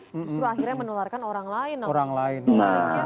justru akhirnya menolarkan orang lain